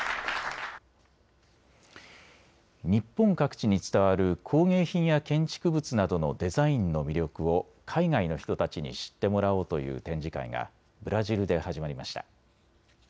日本各地に伝わる工芸品や建築物などのデザインの魅力を海外の人たちに知ってもらおうという展示会がブラジルで始まりました。